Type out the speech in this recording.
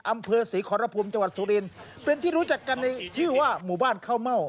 อำเภอศรีขอรพุมจังหวัดสุรินเป็นที่รู้จักกันในชื่อว่าหมู่บ้านข้าวเม่า